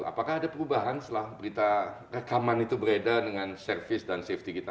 apakah ada perubahan setelah berita rekaman itu beredar dengan service dan safety kita